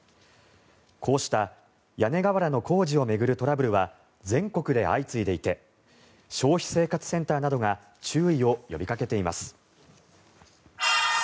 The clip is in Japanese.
こうした屋根瓦の工事を巡るトラブルは全国で相次いでいて消費生活センターなどが注意を呼びかけています。